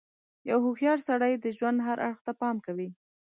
• یو هوښیار سړی د ژوند هر اړخ ته پام کوي.